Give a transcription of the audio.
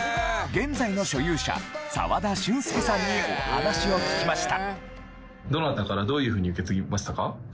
現在の所有者澤田隼佑さんにお話を聞きました